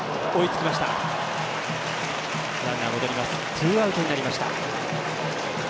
ツーアウトになりました。